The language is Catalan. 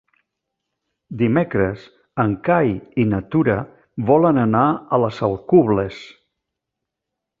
Dimecres en Cai i na Tura volen anar a les Alcubles.